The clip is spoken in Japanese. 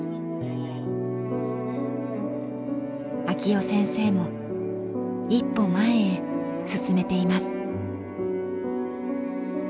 晃生先生も一歩前へ進めています。